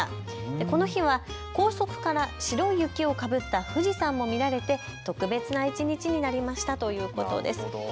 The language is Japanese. この日は高速から白い雪をかぶった富士山も見られて特別な一日になりましたということです。